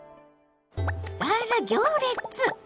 あら行列！